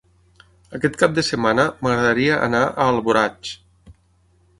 Aquest cap de setmana m'agradaria anar a Alboraig.